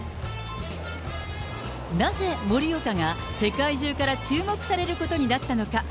なぜ盛岡が世界中から注目されることになったのか。